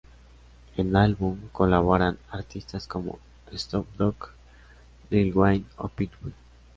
En álbum colaboraban artistas como Snoop Dogg, Lil' Wayne o Pitbull.